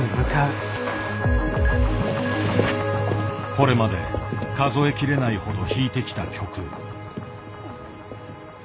これまで数えきれないほど弾いてきた曲。